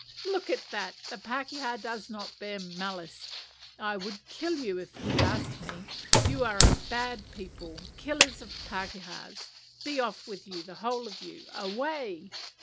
Look at that, the pakeha does not bear malice; I would kill you if he asked me: you are a bad people, killers of pakehas; be off with you, the whole of you, away!"